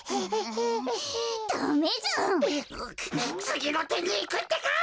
つぎのてにいくってか！